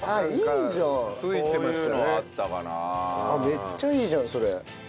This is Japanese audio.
めっちゃいいじゃんそれ。